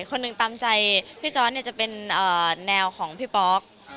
คนหนึ่งตามใจพี่จอสจะเป็นแนวของพี่ป๊อก